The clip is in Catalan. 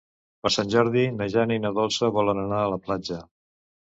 Per Sant Jordi na Jana i na Dolça volen anar a la platja.